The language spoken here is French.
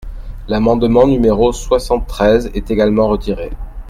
L’amendement numéro soixante-treize est également retiré.